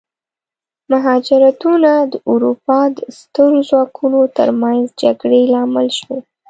مهاجرتونه د اروپا د سترو ځواکونو ترمنځ جګړې لامل شول.